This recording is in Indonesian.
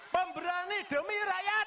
pemberani demi rakyat